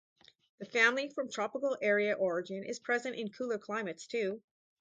The family from tropical area origin is present in cooler climates, too.